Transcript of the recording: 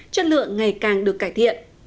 chất lượng ngày càng được cải thiện